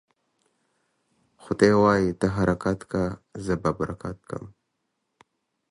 خداى وايي: ته حرکت که ، زه به برکت کم.